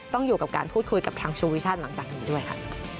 ต้องอยู่กับการพูดคุยกับทางชูวิชาติหลังจากนี้ด้วยค่ะ